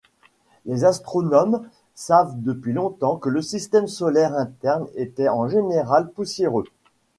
Les astronomes savent depuis longtemps que le système solaire interne était en général poussiéreux.